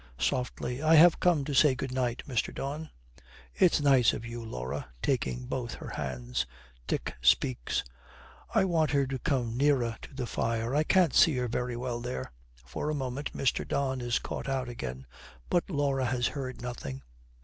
Softly, 'I have come to say good night, Mr. Don.' 'It's nice of you, Laura,' taking both her hands. Dick speaks. 'I want her to come nearer to the fire; I can't see her very well there.' For a moment Mr. Don is caught out again; but Laura has heard nothing.